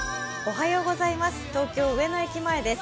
東京・上野駅前です。